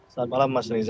selamat malam mas reza